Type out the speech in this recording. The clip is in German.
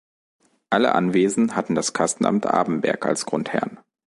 Alle Anwesen hatten das Kastenamt Abenberg als Grundherrn.